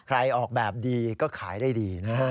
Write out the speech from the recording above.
ออกแบบดีก็ขายได้ดีนะฮะ